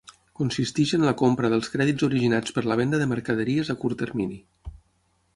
Consisteix en la compra dels crèdits originats per la venda de mercaderies a curt termini.